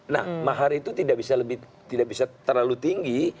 nah mahar itu tidak bisa terlalu tinggi